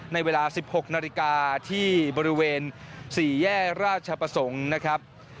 ในเวลา๑๖นาฬิกาที่บริเวณ๔แยกราชประสงค์นะครับ